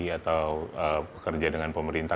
atau kerja dengan pemerintah